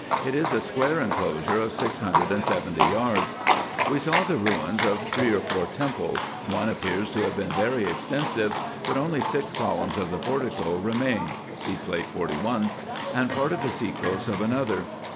It is a square enclosure of six hundred and seventy yards. We saw the ruins of three or four temples. One appears to have been very extensive ; but only six columns of the portico remain (See Plate 41), and part of the sekos of another.